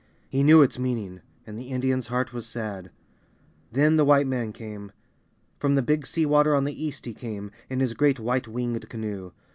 He knew its meaning, and the Indian's heart was sad. Then the White man came. From the Big Sea Water on the east he came, in his great white winged canoe.